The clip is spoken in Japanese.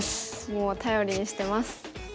もう頼りにしてます。